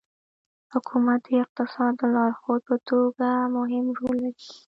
حکومت د اقتصاد د لارښود په توګه مهم رول لري.